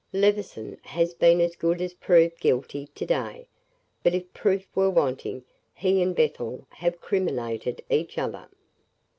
Levison has been as good as proved guilty to day; but if proof were wanting, he and Bethel have criminated each other.